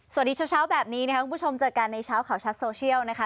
เช้าแบบนี้นะครับคุณผู้ชมเจอกันในเช้าข่าวชัดโซเชียลนะคะ